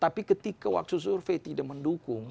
tapi ketika waktu survei tidak mendukung